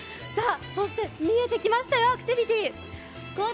見えてきましたよ、アクティビティー。